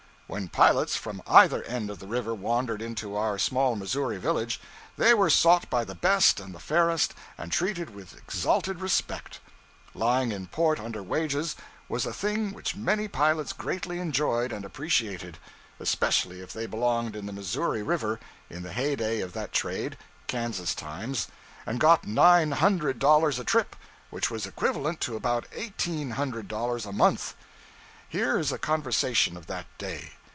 When pilots from either end of the river wandered into our small Missouri village, they were sought by the best and the fairest, and treated with exalted respect. Lying in port under wages was a thing which many pilots greatly enjoyed and appreciated; especially if they belonged in the Missouri River in the heyday of that trade (Kansas times), and got nine hundred dollars a trip, which was equivalent to about eighteen hundred dollars a month. Here is a conversation of that day.